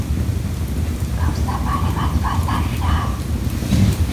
Gauza pare bat falta dira.